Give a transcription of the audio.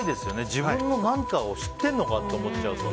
自分の何かを知ってるのかと思っちゃうと。